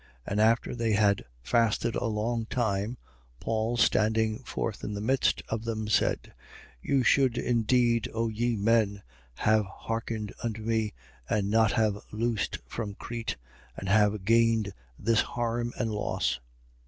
27:21. And after they had fasted a long time, Paul standing forth in the midst of them, said: You should indeed, O ye men, have hearkened unto me and not have loosed from Crete and have gained this harm and loss.